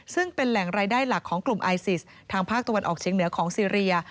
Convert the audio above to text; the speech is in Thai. ซึ่งเป็นแหล่งรายได้หลักของกลุ่มไอซิสทางภาคตะวันออกเชียงเหนือของซีเรีย